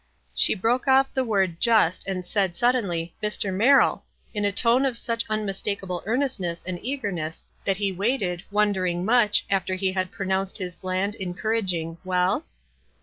She broke off at the word "just," and said, suddenly, "Mr. Merrill," in a tone of such iHimistakable earnestness and eagerness, that he waited, wondering much, alter he had pronounced his bland, encourag ing, "Well?"